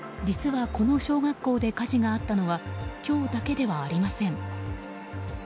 実はこの小学校で火事があったのは今日だけではありません。